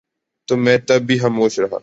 تو میں تب بھی خاموش رہا